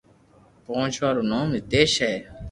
پوچوا رو نوم نيتيس ھي